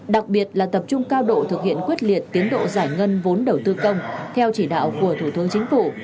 đặc biệt là tập trung cao độ thực hiện quyết liệt tiến độ giải ngân vốn đầu tư công theo chỉ đạo của thủ tướng chính phủ